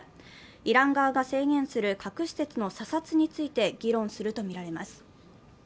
イラン側が制限する核施設の査察制限について議論するとみられます。